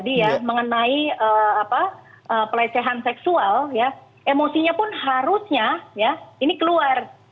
apabila ini adalah mengenai apa pelesehan seksual ya emosinya pun harusnya ya ini keluar